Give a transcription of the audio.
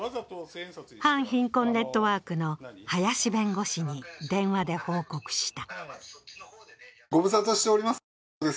反貧困ネットワークの林弁護士に電話で報告した。